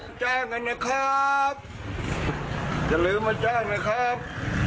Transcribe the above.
จ้างกันนะครับอย่าลืมมาจ้างนะครับ